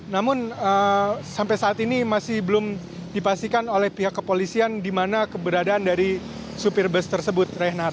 namun sampai saat ini masih belum dipastikan oleh pihak kepolisian di mana keberadaan dari supir bus tersebut reinhardt